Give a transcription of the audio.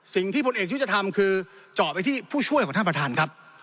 พลเอกยุทธทำคือเจาะไปที่ผู้ช่วยของท่านประธานครับ